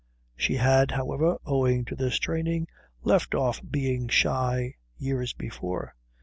She had, however, owing to this training, left off being shy years before.